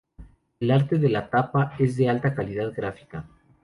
El arte de la tapa es de alta calidad gráfica.